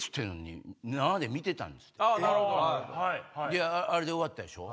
であれで終わったでしょ。